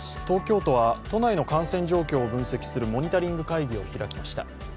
東京都は都内の感染状況を分析するモニタリング会議を開きました。